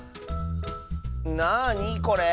なあにこれ？